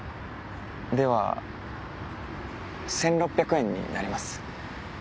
では１６００円になります。